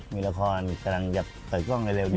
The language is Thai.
มีละครกำลังจะเปิดกล้องเร็วนี้